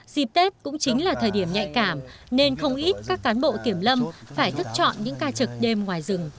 dịp tết cũng chính là thời điểm nhạy cảm nên không ít các cán bộ kiểm lâm phải thức chọn những ca trực đêm ngoài rừng